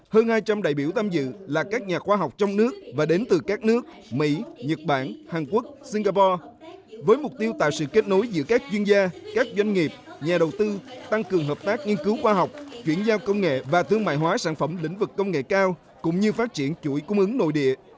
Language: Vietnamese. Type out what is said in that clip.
hơn hai trăm linh đại biểu tham dự là các nhà khoa học trong nước và đến từ các nước mỹ nhật bản hàn quốc singapore với mục tiêu tạo sự kết nối giữa các chuyên gia các doanh nghiệp nhà đầu tư tăng cường hợp tác nghiên cứu khoa học chuyển giao công nghệ và thương mại hóa sản phẩm lĩnh vực công nghệ cao cũng như phát triển chuỗi cung ứng nội địa